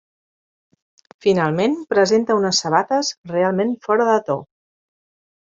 Finalment presenta unes sabates realment fora de to.